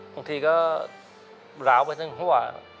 บางทีก็หลาวไปทั้งหัว